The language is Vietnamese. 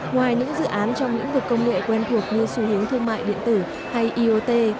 ngoài những dự án trong lĩnh vực công nghệ quen thuộc như xu hướng thương mại điện tử hay iot